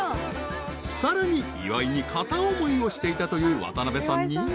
［さらに岩井に片思いをしていたという渡部さんに］